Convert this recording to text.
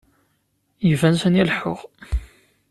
Iban sani leḥḥuɣ.